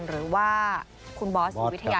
หรือว่าคุณบอสวิทยา